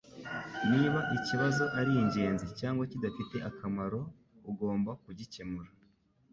Niba ikibazo ari ingenzi cyangwa kidafite akamaro, ugomba kugikemura.